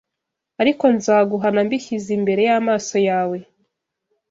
ariko nzaguhana mbishyize imbere y’amaso yawe,